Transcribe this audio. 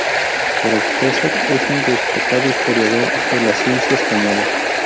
Pero Peset es un destacado historiador de la ciencia española.